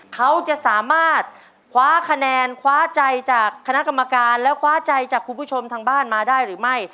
เขาจะสามารถคว้าคะแนนคว้าใจจากคณะกรรมการแล้วคว้าใจจากคุณผู้ชมทางบ้านมาได้หรือไม่